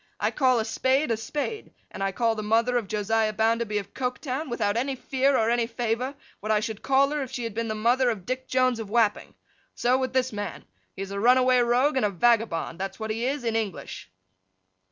I call a spade a spade; and I call the mother of Josiah Bounderby of Coketown, without any fear or any favour, what I should call her if she had been the mother of Dick Jones of Wapping. So, with this man. He is a runaway rogue and a vagabond, that's what he is, in English.